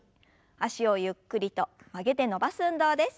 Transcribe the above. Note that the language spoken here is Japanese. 脚をゆっくりと曲げて伸ばす運動です。